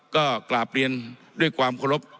ก็กราบเรียนด้วยความเคารพ